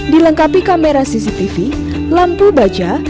dilengkapi kamera cctv lampu baja